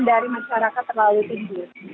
dan dari masyarakat terlalu tinggi